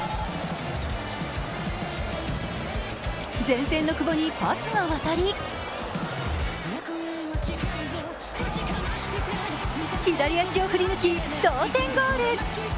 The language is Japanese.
前線の久保にパスが渡り左足を振り抜き、同点ゴール。